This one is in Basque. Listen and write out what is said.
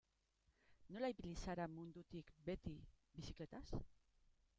Nola ibili zara mundutik beti bizikletaz?